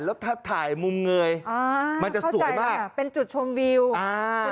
แล้วถ้าถ่ายมุมเงยอ่ามันจะสวยมากอ่าเป็นจุดชมวิวอ่า